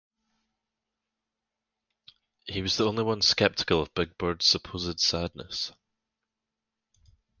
He was the only one skeptical of Big Bird's supposed sadness.